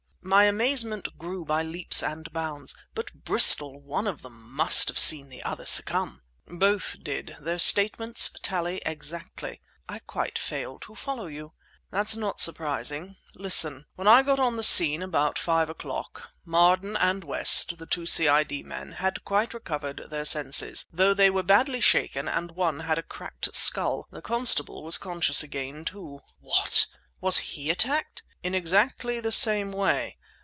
My amazement grew by leaps and bounds. "But, Bristol, one of them must have seen the other succumb!" "Both did! Their statements tally exactly!" "I quite fail to follow you." "That's not surprising. Listen: When I got on the scene about five o'clock, Marden and West, the two C.I.D. men, had quite recovered their senses, though they were badly shaken, and one had a cracked skull. The constable was conscious again, too." "What! Was he attacked?" "In exactly the same way!